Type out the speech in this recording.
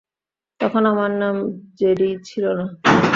তখন আমার নাম জেডি ছিল না।